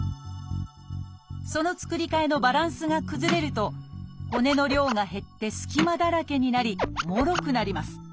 その作り替えのバランスが崩れると骨の量が減って隙間だらけになりもろくなります。